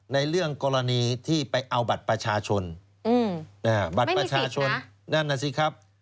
ในเรื่องกรณีที่ไปเอาบัตรประชาชนบัตรประชาชนนั่นน่ะสิครับ